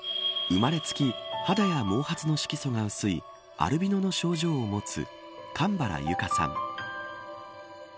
生まれつき肌や毛髪の色素が薄いアルビノの症状を持つ神原由佳さん。